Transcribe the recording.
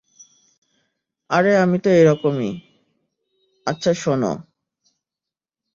আরে আমি তো এইরকমি, আচ্ছা শোনো।